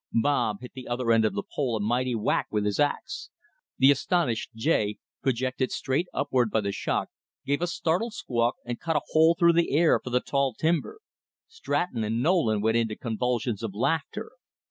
Bob hit the other end of the pole a mighty whack with his ax. The astonished jay, projected straight upward by the shock, gave a startled squawk and cut a hole through the air for the tall timber. Stratton and Nolan went into convulsions of laughter.